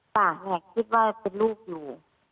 ปากเนี่ยคิดว่าเป็นลูกอยู่